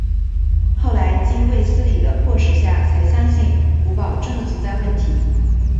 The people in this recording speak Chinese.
后来经卫斯理的迫使下才相信古堡真的存在问题。